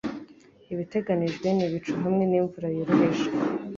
Ibiteganijwe ni ibicu hamwe na imvura yoroheje